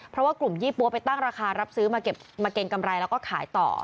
เพราะว่ากลุ่มยี่ปั๊วไปตั้งราคารับซื้อมาเก็บมาเกรงกำไรแล้วก็ขายต่อ